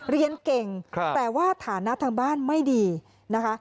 เรียนเก่งแต่ว่าฐานะทางบ้านไม่ดีนะคะ